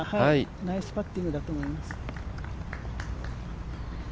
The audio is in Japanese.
ナイスパッティングだと思います。